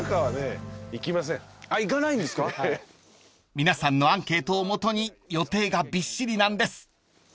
［皆さんのアンケートを基に予定がびっしりなんです］